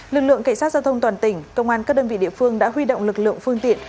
lực lượng cảnh sát giao thông toàn tỉnh công an các đơn vị địa phương đã huy động lực lượng phương tiện